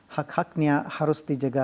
hak haknya harus dijaga dengan baik